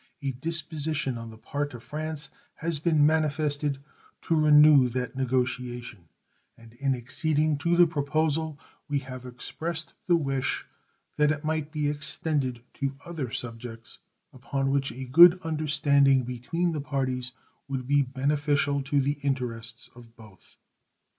A disposition on the part of France has been manifested to renew that negotiation, and in acceding to the proposal we have expressed the wish that it might be extended to other subjects upon which a good understanding between the parties would be beneficial to the interests of both.